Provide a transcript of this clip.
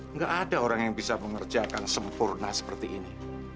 nggak ada orang yang bisa mengerjakan sempurna seperti ini